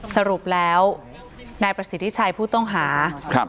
สรุปแล้วนายประสิทธิชัยผู้ต้องหาครับ